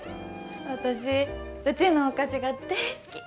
私うちのお菓子が大好き。